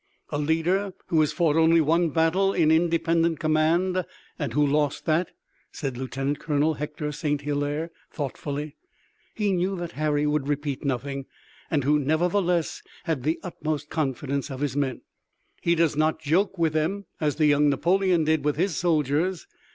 "A leader who has fought only one battle in independent command and who lost that," said Lieutenant Colonel Hector St. Hilaire, thoughtfully he knew that Harry would repeat nothing, "and who nevertheless has the utmost confidence of his men. He does not joke with them as the young Napoleon did with his soldiers.